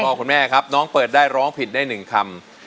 พ่อคุณแม่ครับน้องเปิดได้ร้องผิดได้๑คำ